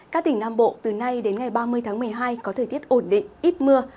các tỉnh nam bộ từ nay đến ngày ba mươi tháng một mươi hai có thời tiết ổn định ít mưa